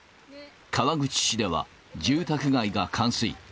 川口市では、住宅街が冠水。